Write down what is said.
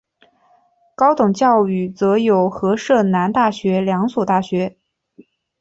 高等教育则有和摄南大学两所大学。